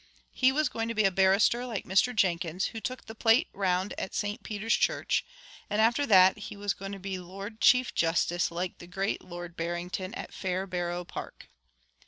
He was going to be a barrister like Mr Jenkins, who took the plate round at St Peter's Church, and after that he was going to be Lord Chief Justice, like the great Lord Barrington at Fairbarrow Park.